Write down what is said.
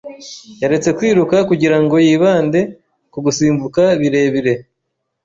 Yaretse kwiruka kugirango yibande ku gusimbuka birebire.